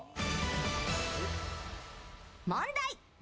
問題！